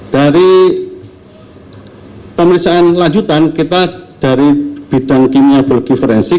dari penelitian lanjutan kita dari bidang kimia bulky ferensi